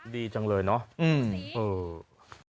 ดีจังเลยเนาะ